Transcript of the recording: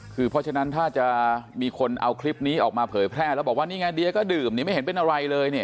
คือเพราะฉะนั้นถ้าจะมีคนเอาคลิปนี้ออกมาเผยแพร่แล้วบอกว่านี่ไงเดียก็ดื่มเนี่ยไม่เห็นเป็นอะไรเลยเนี่ย